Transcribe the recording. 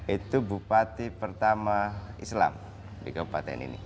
itu bupati pertama islam di kabupaten ini